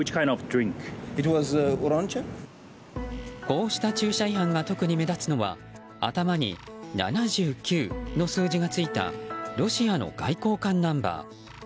こうした駐車違反が特に目立つのは頭に７９の数字がついたロシアの外交官ナンバー。